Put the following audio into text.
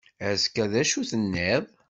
Azekka, d acu tenniḍ?